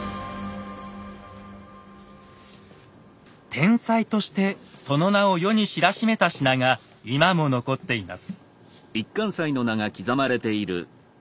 天才としてその名を世に知らしめた品が今も残っています。